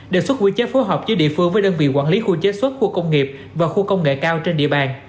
đề xuất quy chế phối hợp giữa địa phương với đơn vị quản lý khu chế xuất khu công nghiệp và khu công nghệ cao trên địa bàn